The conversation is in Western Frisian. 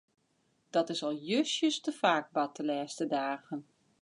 Dat is al justjes te faak bard de lêste dagen.